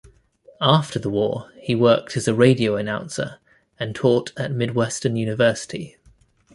After the war, he worked as a radio announcer and taught at Midwestern University.